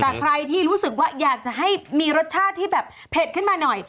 แต่ใครที่รู้สึกว่าอยากจะให้มีรสชาติที่แบบเผ็ดขึ้นมาหน่อย